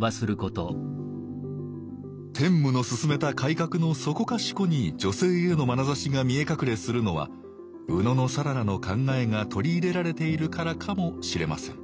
天武の進めた改革のそこかしこに女性へのまなざしが見え隠れするのは野讃良の考えが取り入れられているからかもしれません